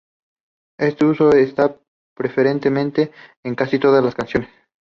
Este uso está preferentemente en casi todas las canciones.